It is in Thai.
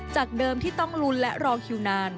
จากเดิมที่ต้องลุ้นและรอคิวนาน